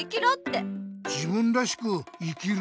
自分らしく生きる？